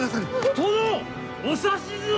殿！お指図を！